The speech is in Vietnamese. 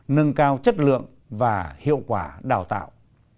nâng cao chất lượng và hiệu quả đào tạo